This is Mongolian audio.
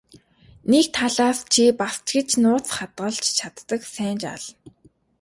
Нэг талаас чи бас ч гэж нууц хадгалж чаддаг сайн жаал.